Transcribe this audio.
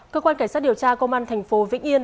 cơ quan cảnh sát điều tra công an thành phố vĩnh yên